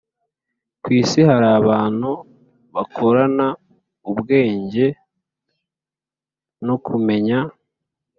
Kwisi harabantu bakorana ubweenge no kumenya